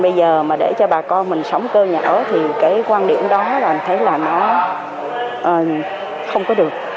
bây giờ mà để cho bà con mình sống cơ nhà ở thì cái quan điểm đó là mình thấy là nó không có được